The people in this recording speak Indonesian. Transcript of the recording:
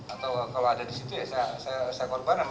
atau kalau ada di situ ya saya korban